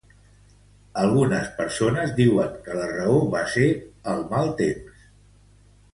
Algunes persones diuen que la raó va ser el mal temps.